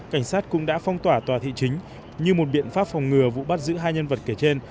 cảnh sát cũng đã phong tỏa tòa thị chính như một biện pháp phòng ngừa vụ bắt giữ hai nhân vật kể trên